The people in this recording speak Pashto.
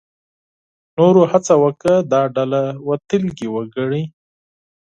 نورو هڅه وکړه دا ډله وتلې وګڼي.